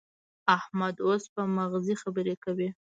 احمد اوس په مغزي خبرې کوي.